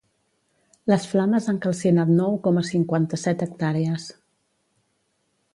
Les flames han calcinat nou coma cinquanta-set hectàrees.